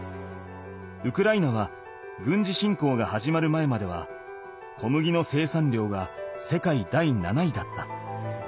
ウクライナは軍事侵攻が始まる前までは小麦の生産量が世界第７位だった。